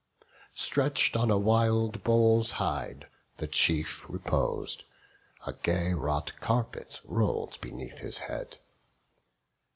Stretch'd on a wild bull's hide the chief repos'd, A gay wrought carpet roll'd beneath his head.